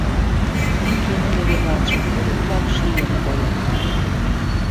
Лум дене леведалтше курык-влак шийын койыт.